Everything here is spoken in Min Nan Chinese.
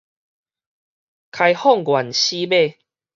開放原始碼